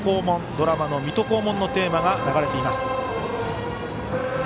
ドラマの「水戸黄門」のテーマが流れています。